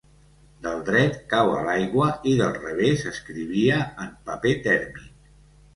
Del dret cau a l'aigua i del revés escrivia en paper tèrmic.